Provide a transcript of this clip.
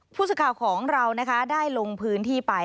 ผู้สึกข่าวของเราได้ลงพื้นที่ไป